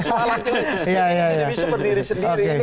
ini tidak bisa berdiri sendiri